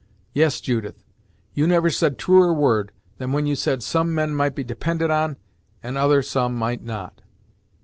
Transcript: Yes, Judith, you never said truer word, than when you said some men might be depended on, and other some might not."